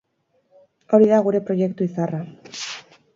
Hori da gure proiektu izarra.